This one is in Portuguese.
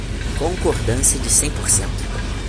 Concordância de cem por cento.